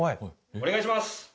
お願いします